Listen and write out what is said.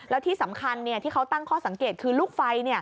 แล้วที่สำคัญที่เขาตั้งข้อสังเกตคือลูกไฟ